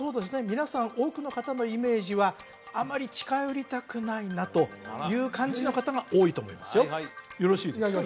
皆さん多くの方のイメージはあまり近寄りたくないなという感じの方が多いと思いますよよろしいですか？